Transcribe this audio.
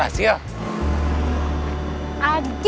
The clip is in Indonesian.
dapet saya kok nggak ada